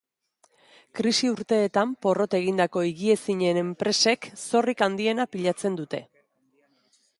Krisi urteetan porrot egindako higiezinen enpresek zorrik handiena pilatzen dute.